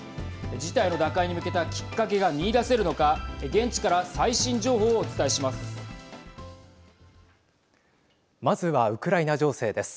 事態の打開に向けたきっかけが見いだせるのか現地から最新情報をお伝えします。